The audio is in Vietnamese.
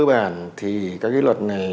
cơ bản thì các luật này